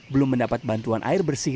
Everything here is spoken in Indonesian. belum mendapat bantuan air bersih